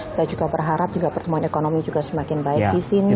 kita juga berharap juga pertumbuhan ekonomi juga semakin baik di sini